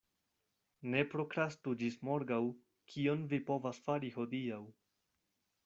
Ne prokrastu ĝis morgaŭ, kion vi povas fari hodiaŭ.